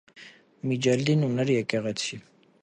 Միջելդին ուներ եկեղեցի։